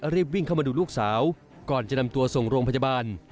รีบวิ่งเข้ามาดูลูกสาวก่อนจะนำตัวส่งโรงพยาบาล